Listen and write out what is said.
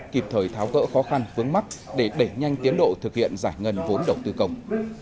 kịp thời tháo gỡ khó khăn vướng mắt để đẩy nhanh tiến độ thực hiện giải ngân vốn đầu tư công